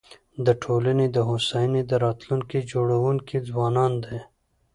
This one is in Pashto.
د ټولني د هوساینې د راتلونکي جوړونکي ځوانان دي.